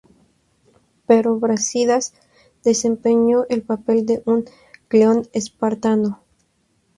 Pero Brásidas desempeñó el papel de un Cleón espartano.